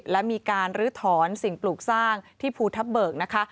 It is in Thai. และมีการลื้อถอนสิ่งปลูกสร้างที่ภูทับเบิกนะคะ